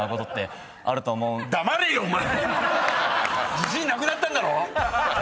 自信なくなったんだろ